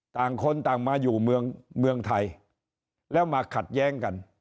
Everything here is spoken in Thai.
ต่างคนต่างมาอยู่เมืองไทยแล้วมาขัดแย้งกัน